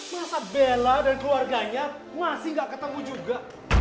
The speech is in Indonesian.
masa bella dan keluarganya masih gak ketemu juga